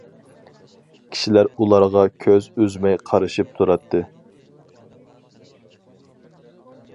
كىشىلەر ئۇلارغا كۆز ئۈزمەي قارىشىپ تۇراتتى.